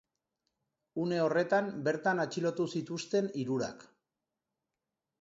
Une horretan bertan atxilotu zituzten hirurak.